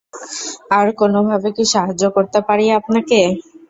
আর কোনোভাবে কি সাহায্য করতে পারি আপনাকে?